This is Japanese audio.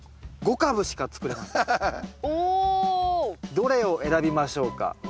どれを選びましょうか？